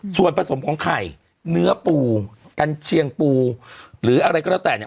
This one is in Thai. ส่วนผสมของไข่เนื้อปูกันเชียงปูหรืออะไรก็แล้วแต่เนี่ย